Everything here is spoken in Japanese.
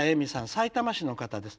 さいたま市の方です。